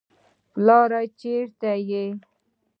پلاره چېرې يې.